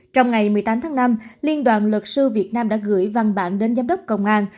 trong ngày một mươi tám tháng năm liên đoàn luật sư việt nam đã gửi văn bản đến giám đốc công an